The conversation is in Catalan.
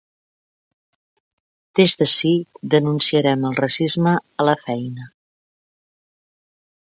Des d'ací denunciaren el racisme a la feina.